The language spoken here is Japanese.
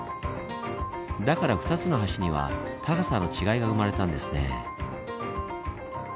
だから２つの橋には高さの違いが生まれたんですね。